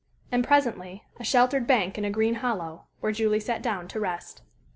And presently a sheltered bank in a green hollow, where Julie sat down to rest.